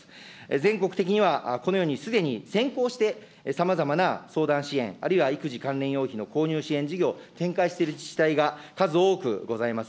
全国的には、このようにすでに先行してさまざまな相談支援、あるいは育児関連用品の購入支援事業、展開している自治体が数多くございます。